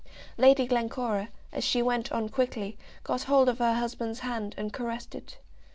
Lady Glencora, as she went on quickly, got hold of her husband's hand, and caressed it.